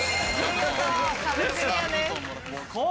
見事壁クリアです。